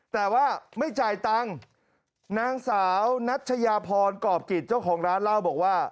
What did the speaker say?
แต่ว่าไม่จ่ายตังค์นางสาวนัชยาพรกรอบกิจเจ้าของร้านเล่าบอกว่า